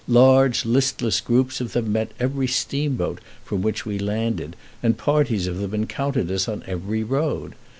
Large listless groups of them met every steamboat from which we landed, and parties of them encountered us on every road.